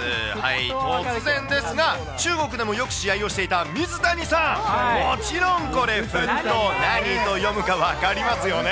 突然ですが、中国でもよく試合をしていた水谷さん、もちろんこれ、ふっとう何と読むと分かりますよね？